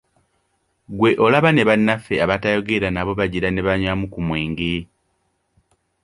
Ggwe olaba ne bannaffe abatayogera nabo bagira ne banywamu ku mwenge!